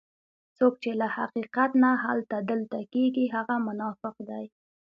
څوک چې له حقیقت نه هلته دلته کېږي هغه منافق دی.